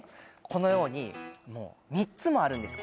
このように３つもあるんです